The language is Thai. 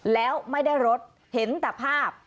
แล้วไม่ได้รถเห็นแต่ภาพ